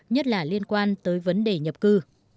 nhất là liên quan tới vấn đề nhập cư